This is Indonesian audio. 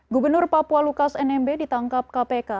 gubernur papua lukas nmb ditangkap kpk